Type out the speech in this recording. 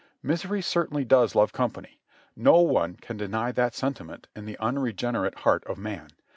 Misery certainly does love company ; no one can deny that sentiment in the unregenerate heart of man.